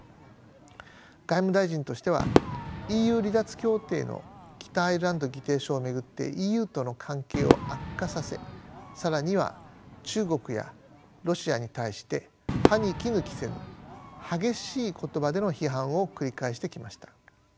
外務大臣としてはＥＵ離脱協定の北アイルランド議定書を巡ってＥＵとの関係を悪化させ更には中国やロシアに対して歯に衣着せぬ激しい言葉での批判を繰り返してきました。